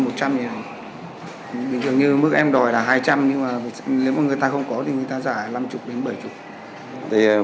bình thường như mức em đòi là hai trăm linh nhưng mà nếu mà người ta không có thì người ta giả năm mươi đến bảy mươi